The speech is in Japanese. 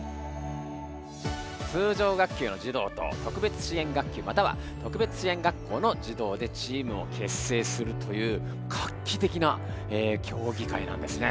通常学級の児童と特別支援学級または特別支援学校の児童でチームをけっせいするという画期てきな競技会なんですね。